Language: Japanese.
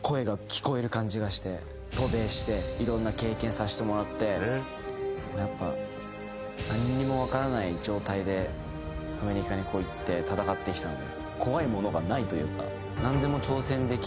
渡米していろんな経験させてもらって何にも分からない状態でアメリカに行って戦ってきたので。